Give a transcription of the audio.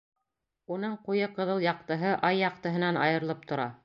Уның ҡуйы ҡыҙыл яҡтыһы ай яҡтыһынан айырылып тора.